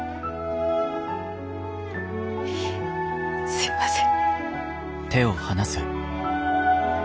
すいません。